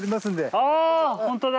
あ本当だ！